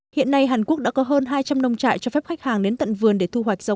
hiện nay hàn quốc đã có hơn hai trăm linh nông trại cho phép khách hàng đến tận vườn để thu hoạch rau